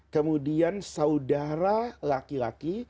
kemudian saudara laki laki